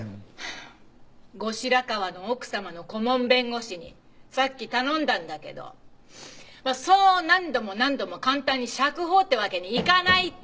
後白河の奥様の顧問弁護士にさっき頼んだんだけどそう何度も何度も簡単に釈放ってわけにいかないって！